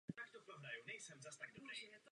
Později si otevřel vlastní praxi.